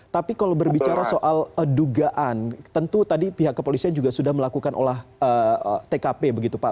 tapi kalau berbicara soal dugaan tentu tadi pihak kepolisian juga sudah melakukan olah tkp begitu pak